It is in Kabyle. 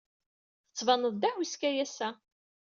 Tettbaned-d d ahuskay ass-a.